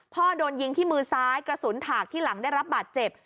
โดนยิงที่มือซ้ายกระสุนถากที่หลังได้รับบาดเจ็บ